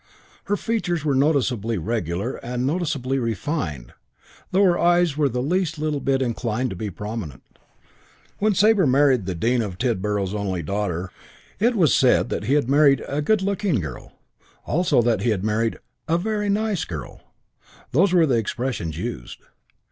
Her features were noticeably regular and noticeably refined, though her eyes were the least little bit inclined to be prominent: when Sabre married the Dean of Tidborough's only daughter, it was said that he had married "a good looking girl"; also that he had married "a very nice girl"; those were the expressions used.